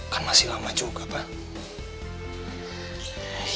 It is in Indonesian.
kan masih lama juga pak